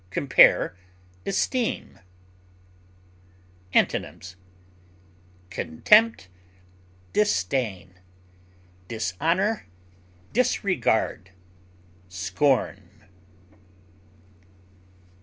Compare ESTEEM; VENERATE. Antonyms: contempt, disdain, dishonor, disregard, scorn.